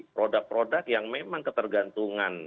produk produk yang memang ketergantungan